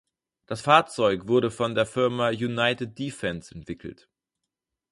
Das Fahrzeug wurde von der Firma United Defense entwickelt.